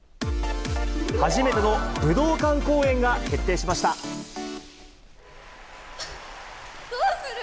初めての武道館公演が決定しどうする？